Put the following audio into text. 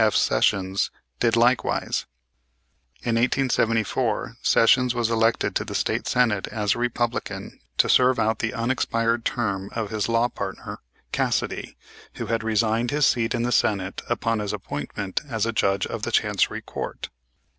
F. Sessions, did likewise. In 1874 Sessions was elected to the State Senate as a Republican to serve out the unexpired term of his law partner, Cassidy, who had resigned his seat in the Senate upon his appointment as a Judge of the Chancery Court.